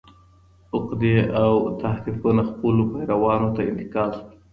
عقدې او تحریفونه خپلو پیروانو ته انتقال سول.